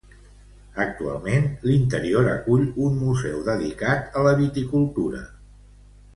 Actualment, l'interior acull un museu dedicat a la viticultura.